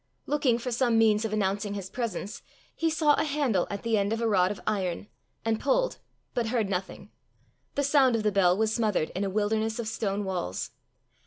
Looking for some means of announcing his presence, he saw a handle at the end of a rod of iron, and pulled, but heard nothing: the sound of the bell was smothered in a wilderness of stone walls.